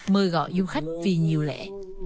mời gọi du khách vì nhiều lẽ